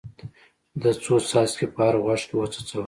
ده څو څاڅکي په هر غوږ کې وڅڅول.